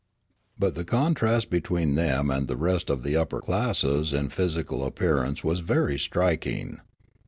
But the contrast between them and the rest of the upper classes in physical appearance was very striking.